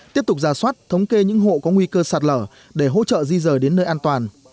tiếp tục ra soát thống kê những hộ có nguy cơ sạt lở để hỗ trợ di rời đến nơi an toàn